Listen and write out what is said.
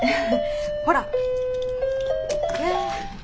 ほら。